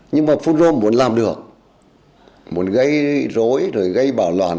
nhưng mà phun rô muốn làm được muốn gây rối gây bảo loạn